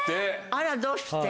あらどうして？